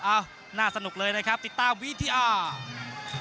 อ้าวน่าสนุกเลยนะครับติดตามวิทยา